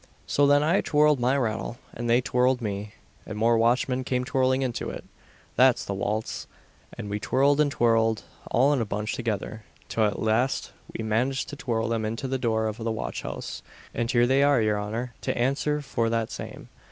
So then I twirled my rattle, and they twirled me, and more watchmen came twirling into it that's the waltz: and we twirled and twirled, all in a bunch together, till at last we managed to twirl them into the door of the watch house; and here they are, your honour, to answer for that same."